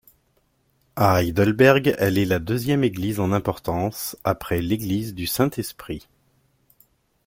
A Heidelberg elle est la deuxième église en importance, après l'église du Saint-Esprit.